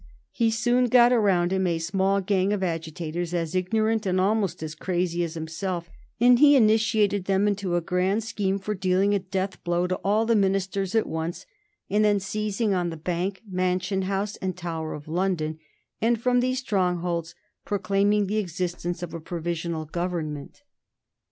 He soon got around him a small gang of agitators as ignorant and almost as crazy as himself, and he initiated them into a grand scheme for dealing a death blow to all the ministers at once, and then seizing on the Bank, Mansion House, and Tower of London, and from these strongholds proclaiming the existence of a provisional government.